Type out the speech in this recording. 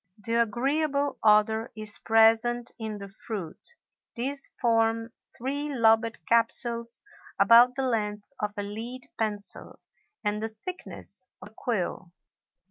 The agreeable odor is present in the fruit. These form three lobed capsules about the length of a lead pencil and the thickness of a quill.